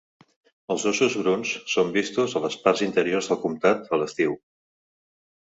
Els óssos bruns són vistos a les parts interiors del comtat a l'estiu.